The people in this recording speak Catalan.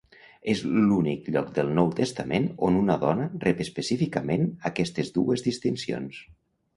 És l'únic lloc del Nou Testament on una dona rep específicament aquestes dues distincions.